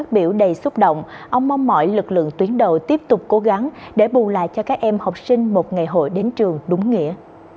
biểu đầy xúc động ông mong mọi lực lượng tuyến đầu tiếp tục cố gắng để bù lại cho các em học sinh một ngày hội đến trường đúng nghĩa